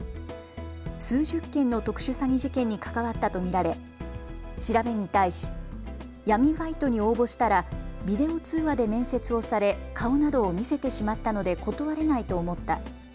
数十件の特殊詐欺事件に関わったと見られ調べに対し闇バイトに応募したらビデオ通話で面接をされ顔などを見せてしまったので断れないと思った。